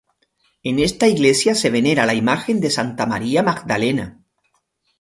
En esta iglesia se venera la imagen de Santa María Magdalena.